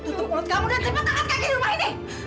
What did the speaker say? tutup mulut kamu dan simpan tangan kaki di rumah ini